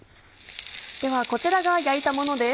ではこちらが焼いたものです。